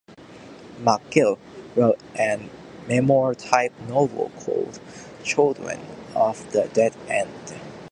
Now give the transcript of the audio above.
MacGill wrote a memoir-type novel called "Children of the Dead End".